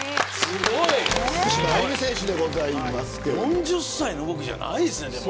４０歳の動きじゃないですね。